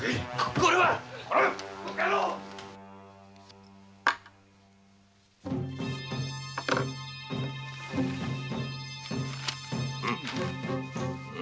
これは？うむ。